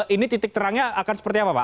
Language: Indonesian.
ini titik terangnya akan seperti apa pak